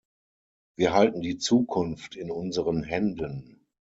Wir halten die Zukunft in unseren Händen.